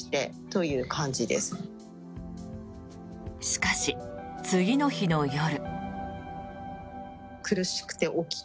しかし、次の日の夜。